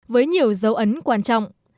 với nhiều dấu ấn quan trọng